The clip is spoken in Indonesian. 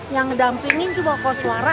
yang ngedampingin juga koswara